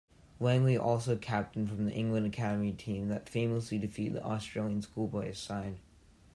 Langley also captained the England Academy team that famously defeated the Australian schoolboys side.